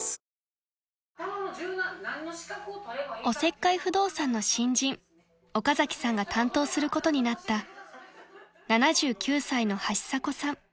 ［おせっかい不動産の新人岡崎さんが担当することになった］